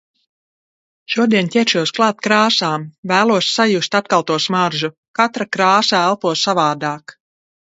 Šodien ķeršos klāt krāsām. Vēlos sajust atkal to smaržu. Katra kāsa elpo savādāk.